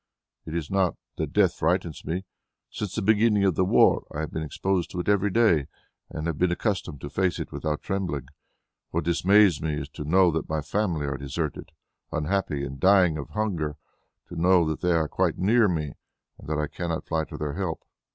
It is not that death frightens me. Since the beginning of the war I have been exposed to it every day, and have been accustomed to face it without trembling. What dismays me is to know that my family are deserted, unhappy and dying of hunger to know that they are quite near me and that I cannot fly to their help...."